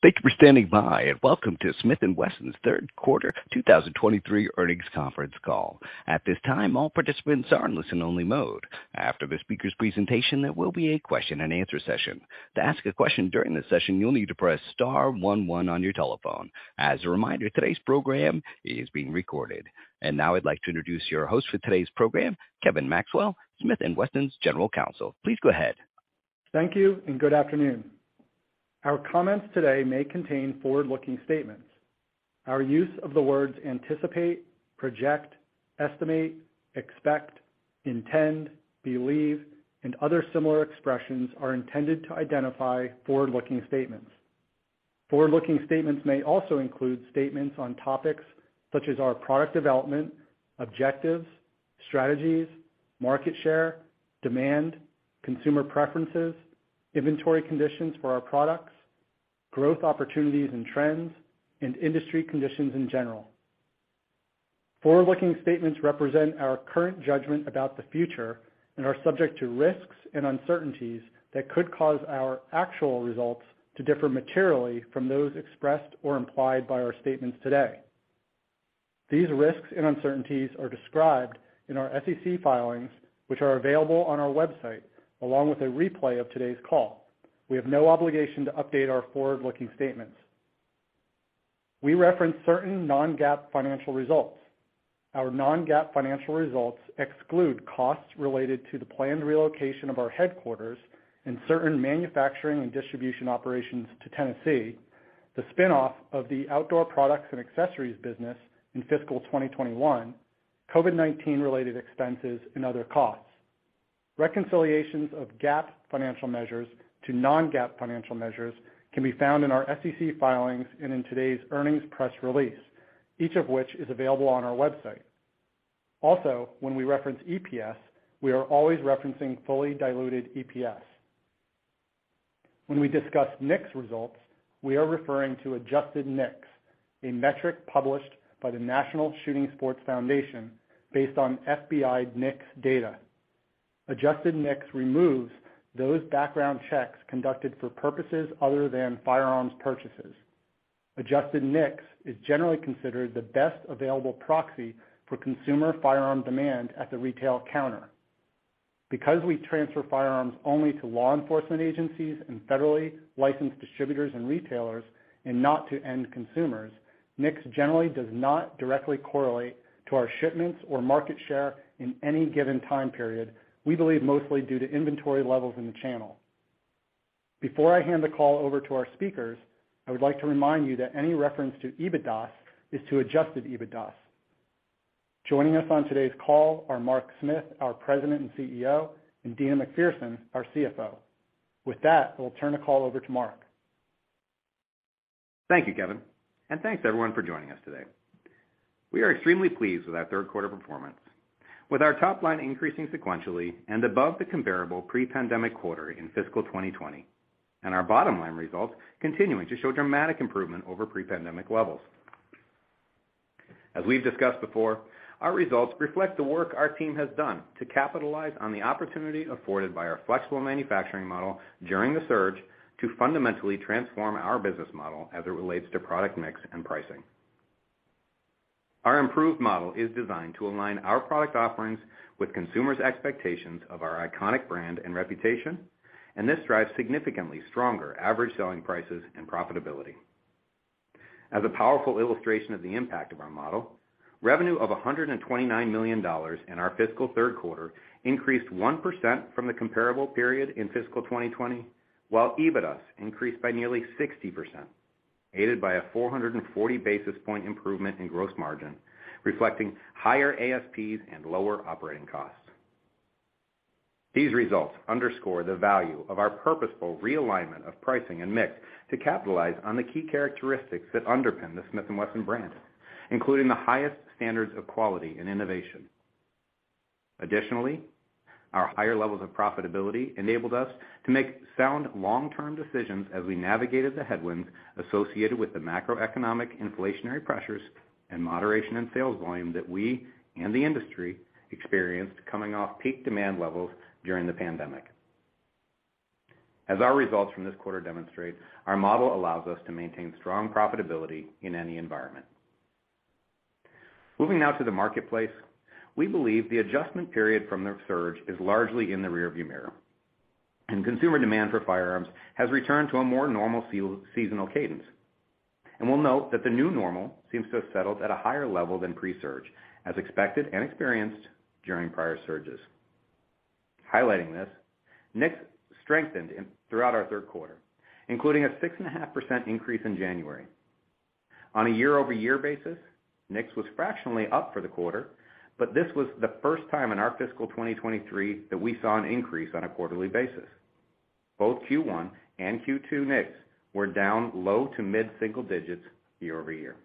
Thank you for standing by, and welcome to Smith & Wesson's third quarter 2023 earnings conference call. At this time, all participants are in listen-only mode. After the speaker's presentation, there will be a question-and-answer session. To ask a question during the session, you'll need to press star one one on your telephone. As a reminder, today's program is being recorded. Now I'd like to introduce your host for today's program, Kevin Maxwell, Smith & Wesson's General Counsel. Please go ahead. Thank you and good afternoon. Our comments today may contain forward-looking statements. Our use of the words anticipate, project, estimate, expect, intend, believe, and other similar expressions are intended to identify forward-looking statements. Forward-looking statements may also include statements on topics such as our product development, objectives, strategies, market share, demand, consumer preferences, inventory conditions for our products, growth opportunities and trends, and industry conditions in general. Forward-looking statements represent our current judgment about the future and are subject to risks and uncertainties that could cause our actual results to differ materially from those expressed or implied by our statements today. These risks and uncertainties are described in our SEC filings, which are available on our website, along with a replay of today's call. We have no obligation to update our forward-looking statements. We reference certain non-GAAP financial results. Our non-GAAP financial results exclude costs related to the planned relocation of our headquarters and certain manufacturing and distribution operations to Tennessee, the spin-off of the outdoor products and accessories business in fiscal 2021, COVID-19 related expenses, and other costs. Reconciliations of GAAP financial measures to non-GAAP financial measures can be found in our SEC filings and in today's earnings press release, each of which is available on our website. When we reference EPS, we are always referencing fully diluted EPS. When we discuss NICS results, we are referring to adjusted NICS, a metric published by the National Shooting Sports Foundation based on FBI NICS data. Adjusted NICS removes those background checks conducted for purposes other than firearms purchases. Adjusted NICS is generally considered the best available proxy for consumer firearm demand at the retail counter. Because we transfer firearms only to law enforcement agencies and federally licensed distributors and retailers and not to end consumers, NICS generally does not directly correlate to our shipments or market share in any given time period, we believe mostly due to inventory levels in the channel. Before I hand the call over to our speakers, I would like to remind you that any reference to EBITDA is to adjusted EBITDA. Joining us on today's call are Mark Smith, our President and CEO, and Deana McPherson, our CFO. With that, we'll turn the call over to Mark. Thank you, Kevin, and thanks everyone for joining us today. We are extremely pleased with our third quarter performance. With our top line increasing sequentially and above the comparable pre-pandemic quarter in fiscal 2020, and our bottom line results continuing to show dramatic improvement over pre-pandemic levels. As we've discussed before, our results reflect the work our team has done to capitalize on the opportunity afforded by our flexible manufacturing model during the surge to fundamentally transform our business model as it relates to product mix and pricing. Our improved model is designed to align our product offerings with consumers' expectations of our iconic brand and reputation, and this drives significantly stronger average selling prices and profitability. As a powerful illustration of the impact of our model, revenue of $129 million in our fiscal third quarter increased 1% from the comparable period in fiscal 2020, while EBITDA increased by nearly 60%, aided by a 440 basis point improvement in gross margin, reflecting higher ASPs and lower operating costs. These results underscore the value of our purposeful realignment of pricing and mix to capitalize on the key characteristics that underpin the Smith & Wesson brand, including the highest standards of quality and innovation. Additionally, our higher levels of profitability enabled us to make sound long-term decisions as we navigated the headwinds associated with the macroeconomic inflationary pressures and moderation in sales volume that we and the industry experienced coming off peak demand levels during the pandemic. As our results from this quarter demonstrate, our model allows us to maintain strong profitability in any environment. Moving now to the marketplace. We believe the adjustment period from the surge is largely in the rearview mirror, and consumer demand for firearms has returned to a more normal seasonal cadence. We'll note that the new normal seems to have settled at a higher level than pre-surge, as expected and experienced during prior surges. Highlighting this, NICS strengthened throughout our third quarter, including a 6.5% increase in January. On a year-over-year basis, NICS was fractionally up for the quarter, but this was the first time in our fiscal 2023 that we saw an increase on a quarterly basis. Both Q1 and Q2 NICS were down low to mid-single digits year-over-year.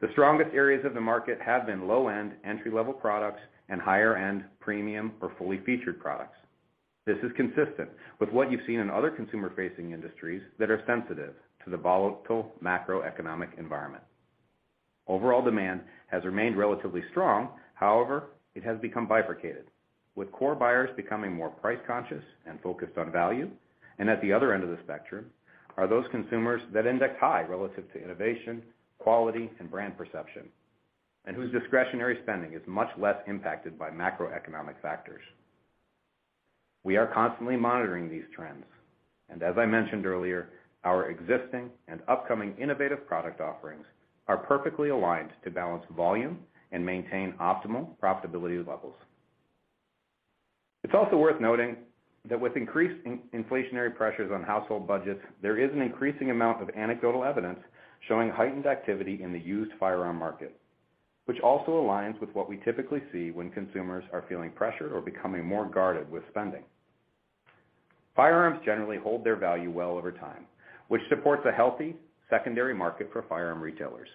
The strongest areas of the market have been low-end, entry-level products and higher-end premium or fully featured products. This is consistent with what you've seen in other consumer-facing industries that are sensitive to the volatile macroeconomic environment. Overall demand has remained relatively strong. However, it has become bifurcated, with core buyers becoming more price conscious and focused on value. At the other end of the spectrum are those consumers that index high relative to innovation, quality, and brand perception, and whose discretionary spending is much less impacted by macroeconomic factors. We are constantly monitoring these trends, and as I mentioned earlier, our existing and upcoming innovative product offerings are perfectly aligned to balance volume and maintain optimal profitability levels. It's also worth noting that with increased inflationary pressures on household budgets, there is an increasing amount of anecdotal evidence showing heightened activity in the used firearm market, which also aligns with what we typically see when consumers are feeling pressured or becoming more guarded with spending. Firearms generally hold their value well over time, which supports a healthy secondary market for firearm retailers.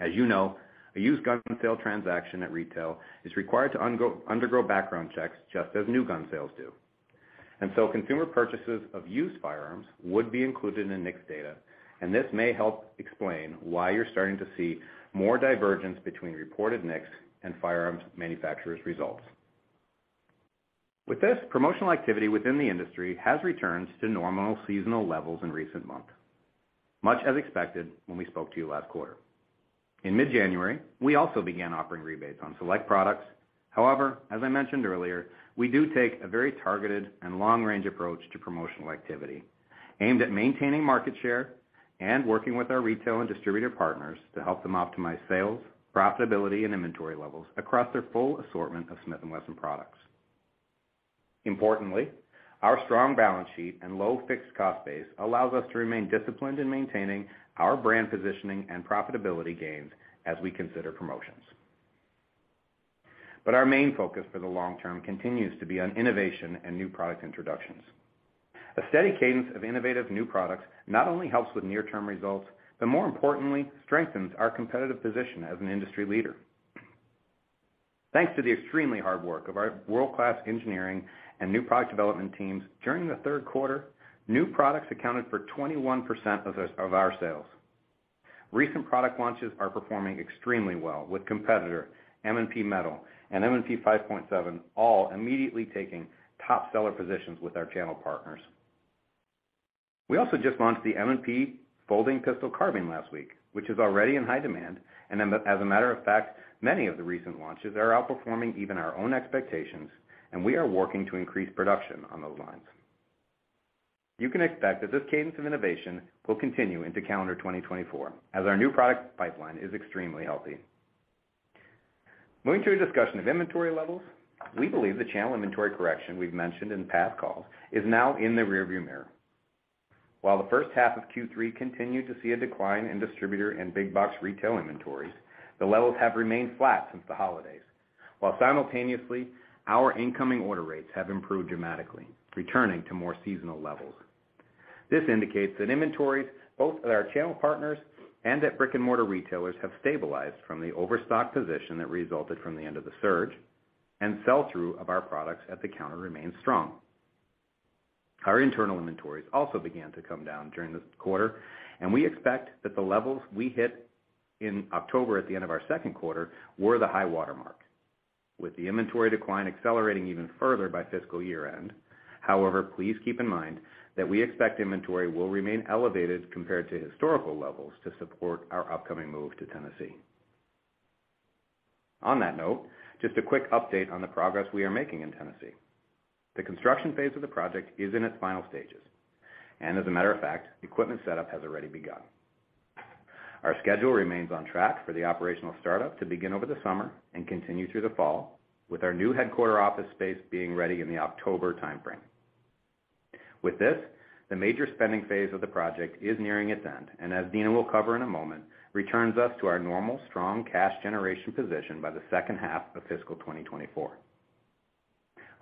As you know, a used gun sale transaction at retail is required to undergo background checks, just as new gun sales do. Consumer purchases of used firearms would be included in the NICS data, and this may help explain why you're starting to see more divergence between reported NICS and firearms manufacturers' results. With this, promotional activity within the industry has returned to normal seasonal levels in recent months, much as expected when we spoke to you last quarter. In mid-January, we also began offering rebates on select products. However, as I mentioned earlier, we do take a very targeted and long-range approach to promotional activity aimed at maintaining market share and working with our retail and distributor partners to help them optimize sales, profitability, and inventory levels across their full assortment of Smith & Wesson products. Importantly, our strong balance sheet and low fixed cost base allows us to remain disciplined in maintaining our brand positioning and profitability gains as we consider promotions. Our main focus for the long term continues to be on innovation and new product introductions. A steady cadence of innovative new products not only helps with near-term results, but more importantly, strengthens our competitive position as an industry leader. Thanks to the extremely hard work of our world-class engineering and new product development teams, during the third quarter, new products accounted for 21% of our sales. Recent product launches are performing extremely well, with Competitor M&P Metal and M&P 5.7 all immediately taking top seller positions with our channel partners. We also just launched the M&P FPC folding pistol carbine last week, which is already in high demand. Then as a matter of fact, many of the recent launches are outperforming even our own expectations, and we are working to increase production on those lines. You can expect that this cadence of innovation will continue into calendar 2024, as our new product pipeline is extremely healthy. Moving to a discussion of inventory levels, we believe the channel inventory correction we've mentioned in past calls is now in the rearview mirror. While the first half of Q3 continued to see a decline in distributor and big box retail inventories, the levels have remained flat since the holidays, while simultaneously, our incoming order rates have improved dramatically, returning to more seasonal levels. This indicates that inventories, both at our channel partners and at brick-and-mortar retailers, have stabilized from the overstock position that resulted from the end of the surge, and sell-through of our products at the counter remains strong. Our internal inventories also began to come down during this quarter, and we expect that the levels we hit in October at the end of our second quarter were the high water mark, with the inventory decline accelerating even further by fiscal year-end. Please keep in mind that we expect inventory will remain elevated compared to historical levels to support our upcoming move to Tennessee. On that note, just a quick update on the progress we are making in Tennessee. As a matter of fact, equipment setup has already begun. Our schedule remains on track for the operational startup to begin over the summer and continue through the fall, with our new headquarter office space being ready in the October timeframe. With this, the major spending phase of the project is nearing its end, as Deana will cover in a moment, returns us to our normal strong cash generation position by the second half of fiscal 2024.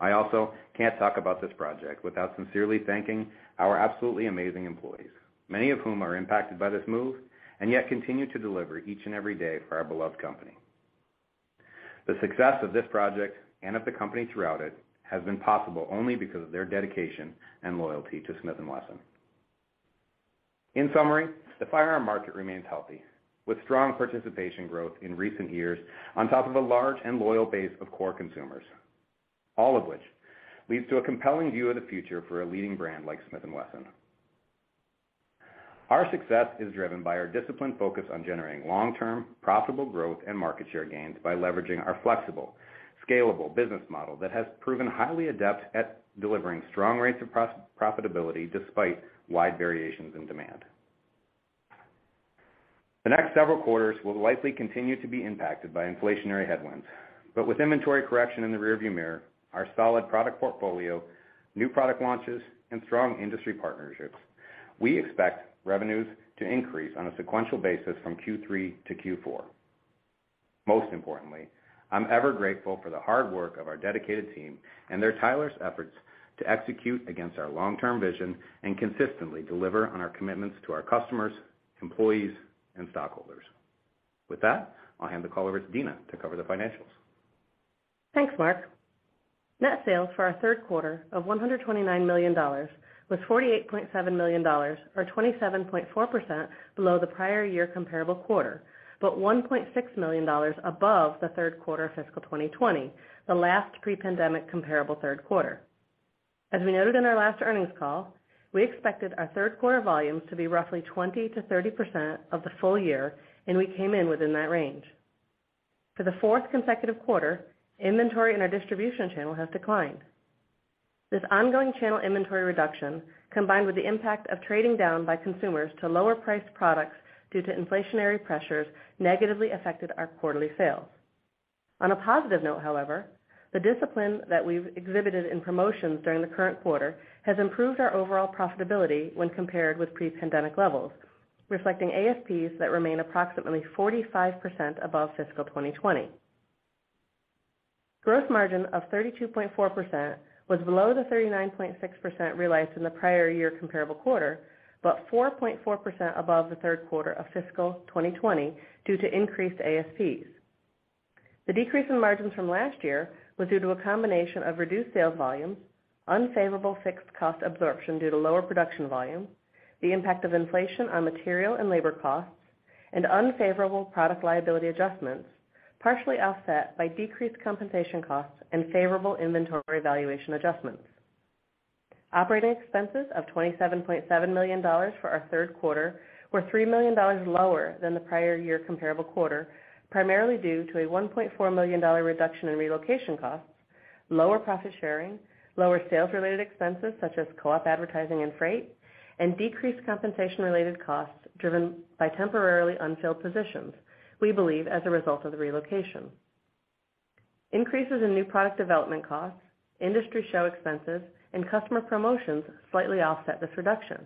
I also can't talk about this project without sincerely thanking our absolutely amazing employees, many of whom are impacted by this move and yet continue to deliver each and every day for our beloved company. The success of this project, and of the company throughout it, has been possible only because of their dedication and loyalty to Smith & Wesson. In summary, the firearm market remains healthy, with strong participation growth in recent years on top of a large and loyal base of core consumers, all of which leads to a compelling view of the future for a leading brand like Smith & Wesson. Our success is driven by our disciplined focus on generating long-term profitable growth and market share gains by leveraging our flexible, scalable business model that has proven highly adept at delivering strong rates of profitability despite wide variations in demand. The next several quarters will likely continue to be impacted by inflationary headwinds, but with inventory correction in the rearview mirror, our solid product portfolio, new product launches, and strong industry partnerships, we expect revenues to increase on a sequential basis from Q3 to Q4. Most importantly, I'm ever grateful for the hard work of our dedicated team and their tireless efforts to execute against our long-term vision and consistently deliver on our commitments to our customers, employees, and stockholders. With that, I'll hand the call over to Deana to cover the financials. Thanks, Mark. Net sales for our third quarter of $129 million was $48.7 million or 27.4% below the prior year comparable quarter, but $1.6 million above the third quarter of fiscal 2020, the last pre-pandemic comparable third quarter. As we noted in our last earnings call, we expected our third quarter volumes to be roughly 20 to 30% of the full year, and we came in within that range. For the fourth consecutive quarter, inventory in our distribution channel has declined. This ongoing channel inventory reduction, combined with the impact of trading down by consumers to lower-priced products due to inflationary pressures, negatively affected our quarterly sales. On a positive note, however, the discipline that we've exhibited in promotions during the current quarter has improved our overall profitability when compared with pre-pandemic levels, reflecting ASPs that remain approximately 45% above fiscal 2020. Gross margin of 32.4% was below the 39.6% realized in the prior year comparable quarter, 4.4% above the third quarter of fiscal 2020 due to increased ASPs. The decrease in margins from last year was due to a combination of reduced sales volumes, unfavorable fixed cost absorption due to lower production volume, the impact of inflation on material and labor costs, and unfavorable product liability adjustments, partially offset by decreased compensation costs and favorable inventory evaluation adjustments. Operating expenses of $27.7 million for our third quarter were $3 million lower than the prior year comparable quarter, primarily due to a $1.4 million reduction in relocation costs, lower profit sharing, lower sales-related expenses such as co-op advertising and freight, and decreased compensation-related costs driven by temporarily unfilled positions, we believe as a result of the relocation. Increases in new product development costs, industry show expenses, and customer promotions slightly offset this reduction.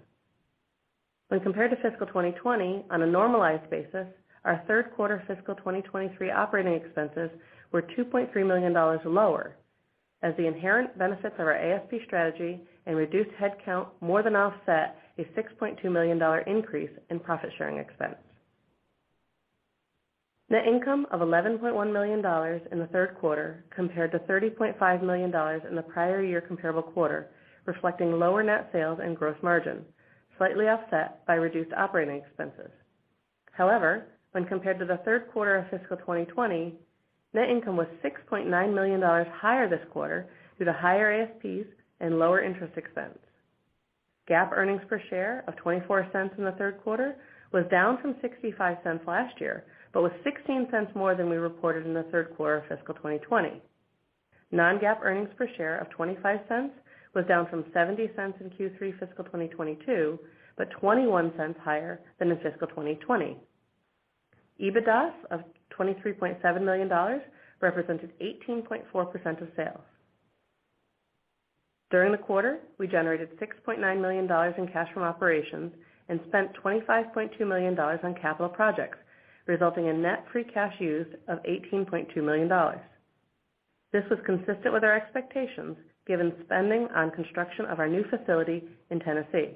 When compared to fiscal 2020 on a normalized basis, our third quarter fiscal 2023 operating expenses were $2.3 million lower as the inherent benefits of our ASP strategy and reduced headcount more than offset a $6.2 million increase in profit sharing expense. Net income of $11.1 million in the third quarter compared to $30.5 million in the prior year comparable quarter, reflecting lower net sales and gross margin, slightly offset by reduced operating expenses. When compared to the third quarter of fiscal 2020, net income was $6.9 million higher this quarter due to higher ASPs and lower interest expense. GAAP earnings per share of $0.24 in the third quarter was down from $0.65 last year, but was $0.16 more than we reported in the third quarter of fiscal 2020. Non-GAAP earnings per share of $0.25 was down from $0.70 in Q3 fiscal 2022, but $0.21 higher than in fiscal 2020. EBITDA of $23.7 million represented 18.4% of sales. During the quarter, we generated $6.9 million in cash from operations and spent $25.2 million on capital projects, resulting in net free cash use of $18.2 million. This was consistent with our expectations, given spending on construction of our new facility in Tennessee.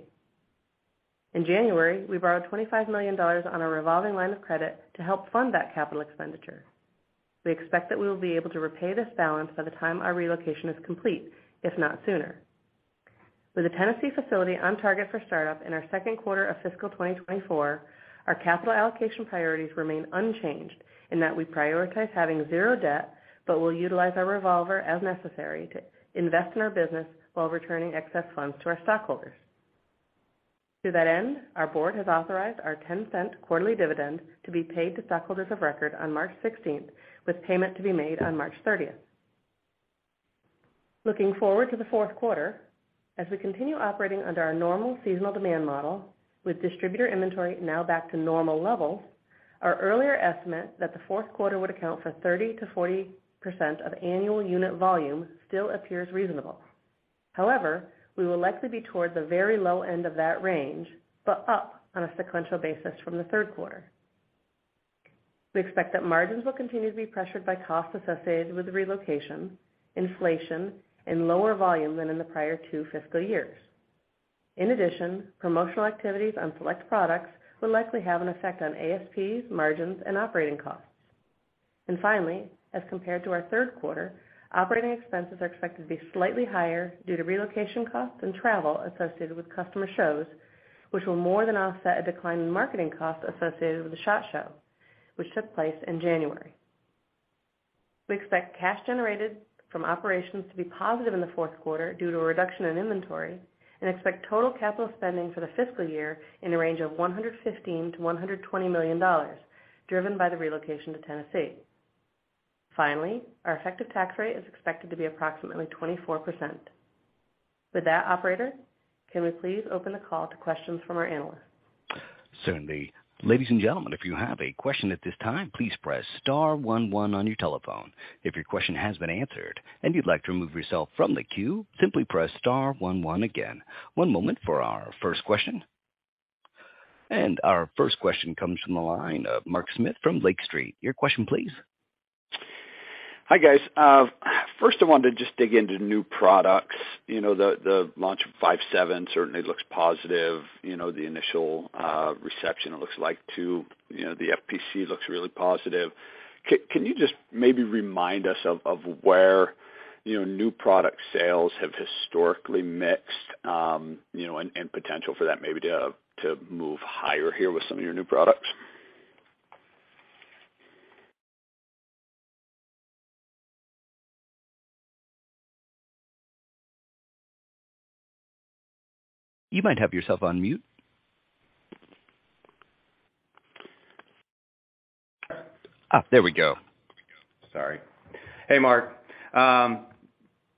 In January, we borrowed $25 million on our revolving line of credit to help fund that capital expenditure. We expect that we will be able to repay this balance by the time our relocation is complete, if not sooner. With the Tennessee facility on target for startup in our second quarter of fiscal 2024, our capital allocation priorities remain unchanged in that we prioritize having zero debt, but will utilize our revolver as necessary to invest in our business while returning excess funds to our stockholders. To that end, our board has authorized our $0.10 quarterly dividend to be paid to stockholders of record on March 16th, with payment to be made on March 30th. Looking forward to the fourth quarter, as we continue operating under our normal seasonal demand model with distributor inventory now back to normal levels, our earlier estimate that the fourth quarter would account for 30%-40% of annual unit volume still appears reasonable. However, we will likely be toward the very low end of that range, but up on a sequential basis from the third quarter. We expect that margins will continue to be pressured by costs associated with the relocation, inflation, and lower volume than in the prior two fiscal years. In addition, promotional activities on select products will likely have an effect on ASPs, margins, and operating costs. Finally, as compared to our third quarter, operating expenses are expected to be slightly higher due to relocation costs and travel associated with customer shows, which will more than offset a decline in marketing costs associated with the SHOT Show, which took place in January. We expect cash generated from operations to be positive in the fourth quarter due to a reduction in inventory and expect total capital spending for the fiscal year in the range of $115 million-$120 million, driven by the relocation to Tennessee. Finally, our effective tax rate is expected to be approximately 24%. Operator, can we please open the call to questions from our analysts? Certainly. Ladies and gentlemen, if you have a question at this time, "please press star one one" on your telephone. If your question has been answered and you'd like to remove yourself from the queue, simply "press star one one" again. One moment for our first question. Our first question comes from the line of Mark Smith from Lake Street. Your question, please. Hi, guys. First I wanted to just dig into new products. You know, the launch of M&P 5.7 certainly looks positive. You know, the initial reception it looks like to, you know, the M&P FPC looks really positive. Can you just maybe remind us of where, you know, new product sales have historically mixed, you know, and potential for that maybe to move higher here with some of your new products? You might have yourself on mute. There we go. Sorry. Hey, Mark.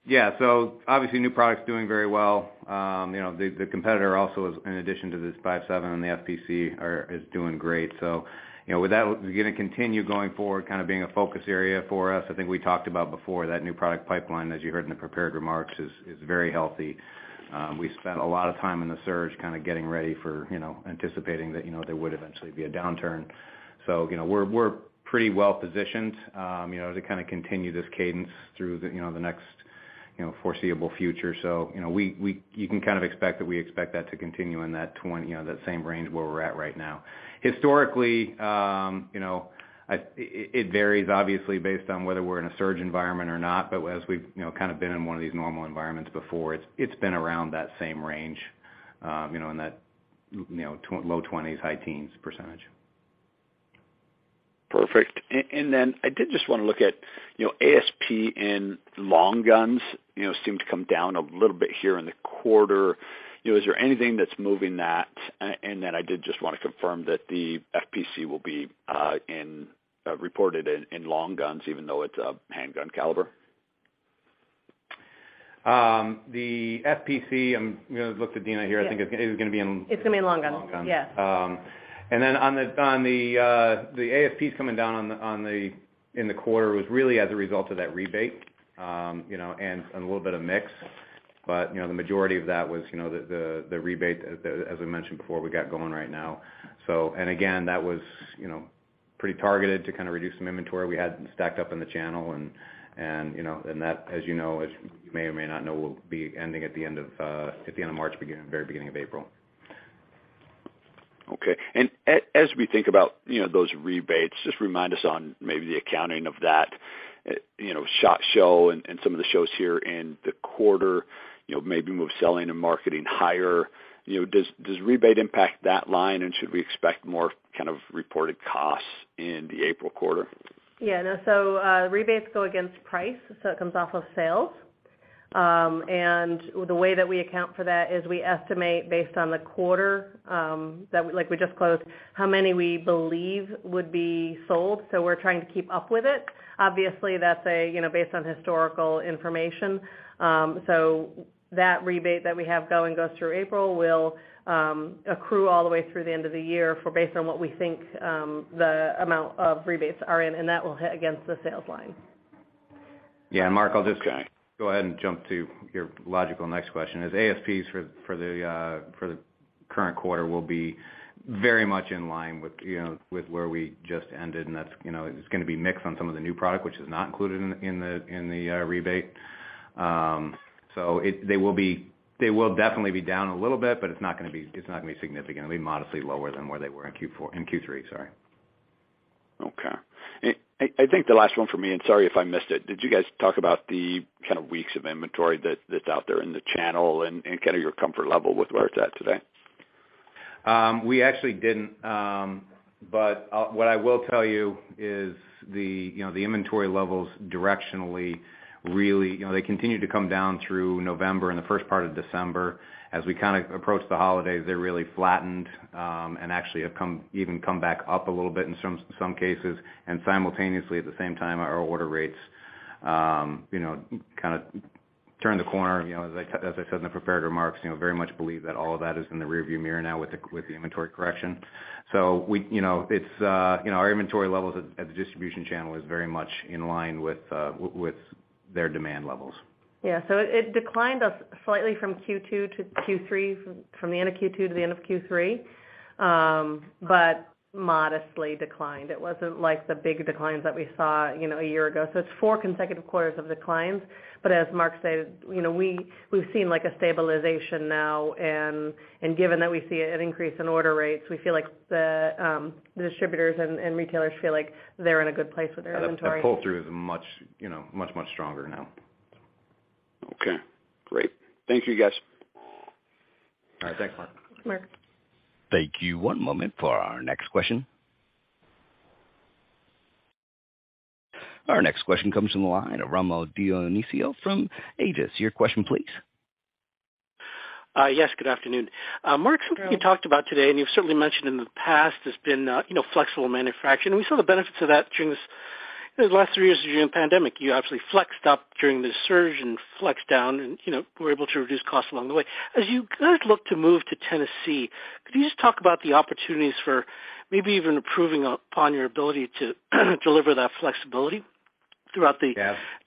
Yeah, obviously new products doing very well. You know, the competitor also, in addition to this 5.7 and the FPC, is doing great. You know, with that, we're gonna continue going forward, kind of being a focus area for us. I think we talked about before that new product pipeline, as you heard in the prepared remarks, is very healthy. We spent a lot of time in the surge kinda getting ready for, you know, anticipating that, you know, there would eventually be a downturn. You know, we're pretty well positioned, you know, to kinda continue this cadence through you know, the next, you know, foreseeable future. you know, we expect that to continue in that 20, you know, that same range where we're at right now. Historically, you know, it varies obviously, based on whether we're in a surge environment or not. as we've, you know, kind of been in one of these normal environments before, it's been around that same range, you know, in that, you know, low 20s, high teens %. Perfect. And then I did just want to look at, you know, ASP in long guns, you know, seemed to come down a little bit here in the quarter. You know, is there anything that's moving that? And then I did just want to confirm that the FPC will be reported in long guns, even though it's a handgun caliber. The FPC, I'm gonna look to Deana here. Yeah. It's gonna be... It's gonna be in long gun. On the ASPs coming down on the in the quarter was really as a result of that rebate, you know, and a little bit of mix. You know, the majority of that was, you know, the rebate as I mentioned before, we got going right now. Again, that was, you know, pretty targeted to kind of reduce some inventory we had stacked up in the channel and, you know, and that, as you know, as you may or may not know, will be ending at the end of March, very beginning of April. Okay. As we think about, you know, those rebates, just remind us on maybe the accounting of that, you know, SHOT Show and some of the shows here in the quarter, you know, maybe move selling and marketing higher. You know, does rebate impact that line? Should we expect more kind of reported costs in the April quarter? Rebates go against price, so it comes off of sales. The way that we account for that is we estimate based on the quarter, that like we just closed, how many we believe would be sold, so we're trying to keep up with it. Obviously, that's a, you know, based on historical information. That rebate that we have going goes through April will accrue all the way through the end of the year for based on what we think, the amount of rebates are in, and that will hit against the sales line. Mark, I'll just go ahead and jump to your logical next question, is ASPs for the current quarter will be very much in line with, you know, with where we just ended. That's, you know, it's gonna be mixed on some of the new product, which is not included in the rebate. They will definitely be down a little bit, but it's not gonna be significantly, modestly lower than where they were in Q4 in Q3, sorry. Okay. I think the last one for me, and sorry if I missed it, did you guys talk about the kind of weeks of inventory that's out there in the channel and kind of your comfort level with where it's at today? We actually didn't. What I will tell you is the inventory levels directionally, they continue to come down through November and the first part of December. As we kind of approached the holidays, they really flattened, and actually have come, even come back up a little bit in some cases, and simultaneously at the same time, our order rates kind of turned the corner. As I said in the prepared remarks, very much believe that all of that is in the rearview mirror now with the inventory correction. Our inventory levels at the distribution channel is very much in line with their demand levels. It declined slightly from Q2 to Q3, from the end of Q2 to the end of Q3, but modestly declined. It wasn't like the big declines that we saw, you know, a year ago. It's four consecutive quarters of declines. As Mark said, you know, we've seen like a stabilization now, and given that we see an increase in order rates, we feel like the distributors and retailers feel like they're in a good place with their inventory. The pull through is much, you know, much stronger now. Okay, great. Thank you, guys. All right, thanks Mark. Thanks Mark. Thank you. One moment for our next question. Our next question comes from the line of Rommel Dionisio from Aegis. Your question please. Yes, good afternoon. Mark, something you talked about today, and you've certainly mentioned in the past, has been, you know, flexible manufacturing. We saw the benefits of that during this, you know, the last three years during the pandemic. You actually flexed up during the surge and flexed down and, you know, were able to reduce costs along the way. As you kind of look to move to Tennessee, could you just talk about the opportunities for maybe even improving upon your ability to deliver that flexibility throughout the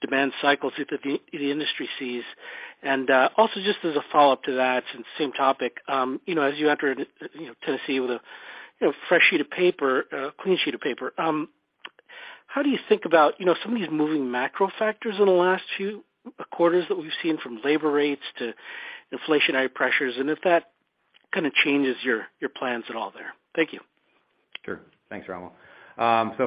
demand cycles that the industry sees? Also just as a follow-up to that and same topic, you know, as you enter, you know, Tennessee with a, you know, fresh sheet of paper, clean sheet of paper, how do you think about, you know, some of these moving macro factors in the last few quarters that we've seen, from labor rates to inflationary pressures, and if that. Kind of changes your plans at all there. Thank you. Sure. Thanks, Rommel.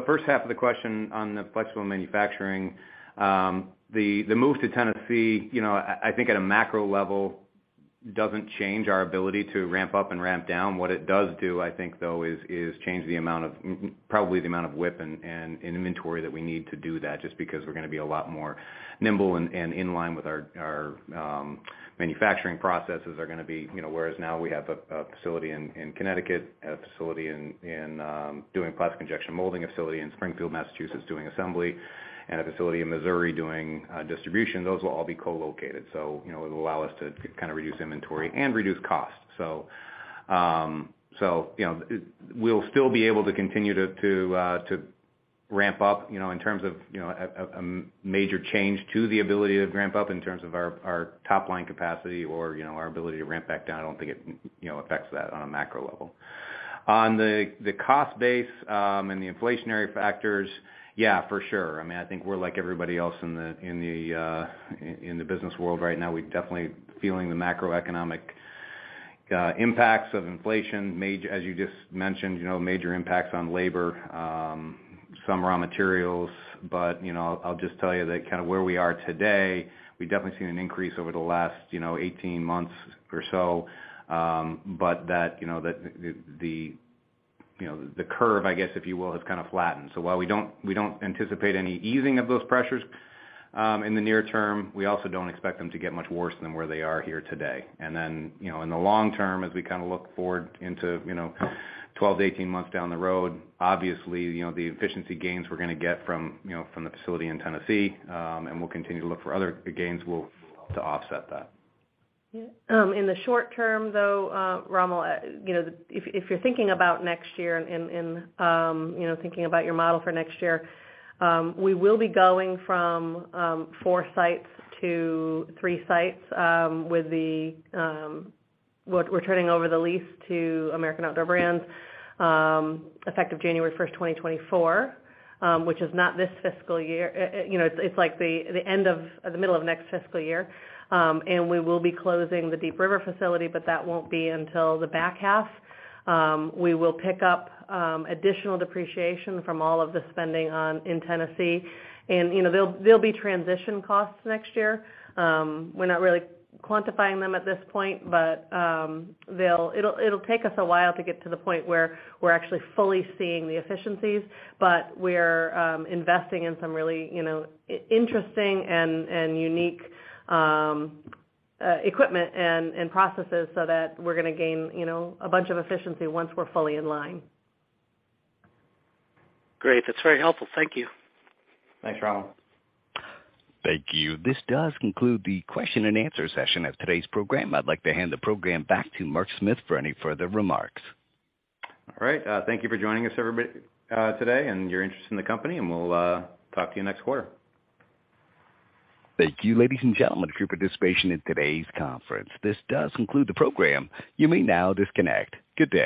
First half of the question on the flexible manufacturing, the move to Tennessee, you know, I think at a macro level doesn't change our ability to ramp up and ramp down. What it does do, I think though is change the amount of probably the amount of weapon and inventory that we need to do that, just because we're gonna be a lot more nimble and in line with our manufacturing processes are gonna be, you know, whereas now we have a facility in Connecticut, a facility in doing plastic injection molding, a facility in Springfield, Massachusetts doing assembly, and a facility in Missouri doing distribution. Those will all be co-located. You know, it will allow us to kind of reduce inventory and reduce costs. you know, we'll still be able to continue to ramp up, you know, in terms of, you know, major change to the ability to ramp up in terms of our top line capacity or, you know, our ability to ramp back down. I don't think it, you know, affects that on a macro level. On the cost base, and the inflationary factors, yeah, for sure. I mean, I think we're like everybody else in the business world right now. We're definitely feeling the macroeconomic impacts of inflation. as you just mentioned, you know, major impacts on labor, some raw materials. You know, I'll just tell you that kind of where we are today, we've definitely seen an increase over the last, you know, 18 months or so, but that, you know, the, you know, the curve, I guess if you will, has kind of flattened. While we don't anticipate any easing of those pressures, in the near term, we also don't expect them to get much worse than where they are here today. You know, in the long term, as we kind of look forward into, you know, 12 to 18 months down the road, obviously, you know, the efficiency gains we're gonna get from, you know, from the facility in Tennessee, and we'll continue to look for other gains will, to offset that. In the short term, though, Rommel, you know, if you're thinking about next year and, you know, thinking about your model for next year, we will be going from four sites to three sites, with the we're turning over the lease to American Outdoor Brands, effective January first, 2024, which is not this fiscal year. You know, it's like the end of or the middle of next fiscal year. We will be closing the Deep River facility, but that won't be until the back half. We will pick up additional depreciation from all of the spending in Tennessee. You know, there'll be transition costs next year. We're not really quantifying them at this point, it'll take us a while to get to the point where we're actually fully seeing the efficiencies. We're investing in some really, you know, interesting and unique equipment and processes so that we're gonna gain, you know, a bunch of efficiency once we're fully in line. Great. That's very helpful. Thank you. Thanks, Rommel. Thank you. This does conclude the question and answer session of today's program. I'd like to hand the program back to Mark Smith for any further remarks. All right. Thank you for joining us today and your interest in the company, and we'll talk to you next quarter. Thank you, ladies and gentlemen, for your participation in today's conference. This does conclude the program. You may now disconnect. Good day.